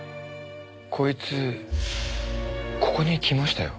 こいつここに来ましたよ。